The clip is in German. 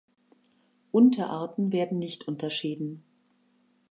Unterarten werden nicht unterschieden.